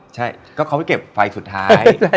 ใช่ก็เขาไปเก็บไฟสุดท้าย